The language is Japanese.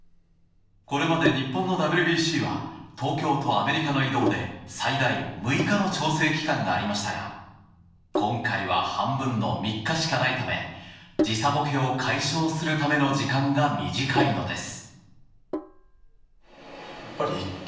これまで日本のＷＢＣは東京とアメリカの移動で最大６日の調整期間がありましたが今回は半分の３日しかないため時差ボケを解消するための時間が短いのです。